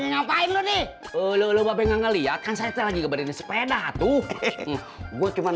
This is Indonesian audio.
ngapain lu nih lu lu bapak nggak ngelihat kan saya lagi ke badan sepeda tuh gue cuman